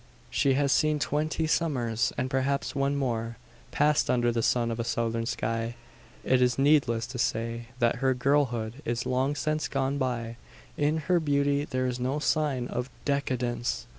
She has seen twenty summers, and perhaps one more. Passed under the sun of a Southern sky, it is needless to say that her girlhood is long since gone by. In her beauty there is no sign of decadence.